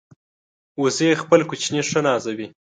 وزې خپل کوچني ښه نازوي